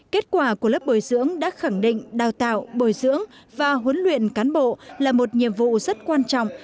kết quả của lớp bồi dưỡng đã khẳng định đào tạo bồi dưỡng và huấn luyện cán bộ là một nhiệm vụ rất quan trọng